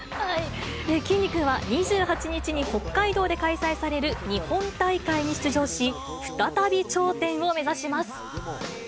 きんに君は２８日に北海道で開催される日本大会に出場し、再び頂点を目指します。